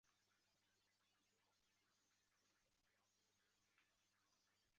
伊玛尔地产。